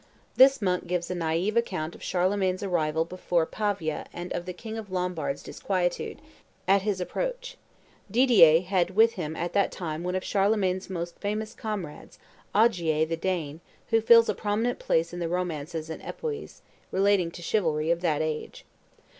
This monk gives a naive account of Charlemagne's arrival before Pavia and of the king of the Lombards' disquietude at his approach. Didier had with him at that time one of Charlemagne's most famous comrades, Ogier the Dane, who fills a prominent place in the romances and epopoeas, relating to chivalry, of that age.